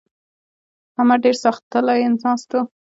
احمد ډېر ساختلی ناست وو.